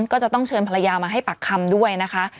ก็จะต้องเชิญภรรยามาให้ปากคำด้วยนะคะ